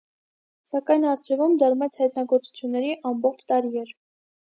Սակայն առջևում դեռ մեծ հայտնագործությունների ամբողջ տարի էր։